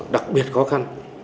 đặc biệt khó khăn